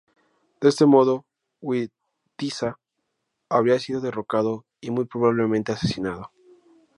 De este modo Witiza habría sido derrocado y muy probablemente asesinado.